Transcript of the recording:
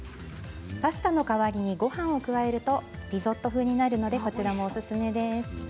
パスタの代わりにごはんを加えるとリゾット風になるのでこちらもおすすめです。